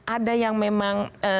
ada yang memang